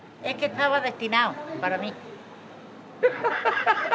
ハハハハ！